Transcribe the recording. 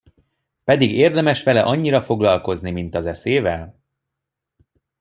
Pedig érdemes vele annyira foglalkozni, mint az eszével!